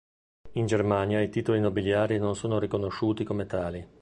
In Germania i titoli nobiliari non sono riconosciuti come tali.